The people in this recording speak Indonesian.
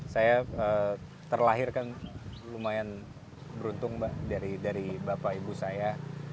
saya terlahir kan lumayan beruntung mbak dari bapak ibu saya